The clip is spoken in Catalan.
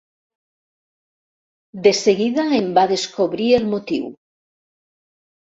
De seguida en va descobrir el motiu.